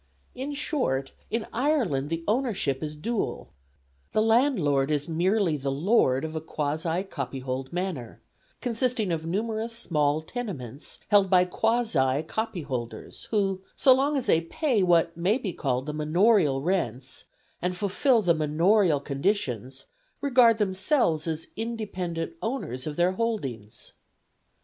In short, in Ireland the ownership is dual: the landlord is merely the lord of a quasi copyhold manor, consisting of numerous small tenements held by quasi copyholders who, so long as they pay what may be called the manorial rents, and fulfil the manorial conditions, regard themselves as independent owners of their holdings.